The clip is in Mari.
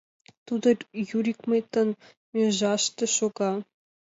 Тудо Юрикмытын межаште шога.